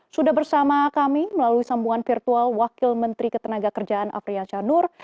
sudah bersama kami melalui sambungan virtual wakil menteri ketenaga kerjaan afrian syah nur